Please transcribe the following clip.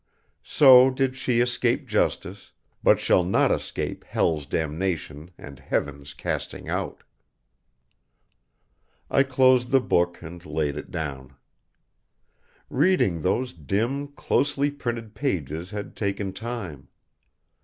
So did she escape Justice, but shall not escape Hell's Damnation and Heaven's casting out." I closed the book and laid it down. Reading those dim, closely printed pages had taken time.